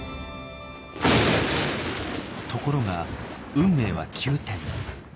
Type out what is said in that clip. ところが運命は急転。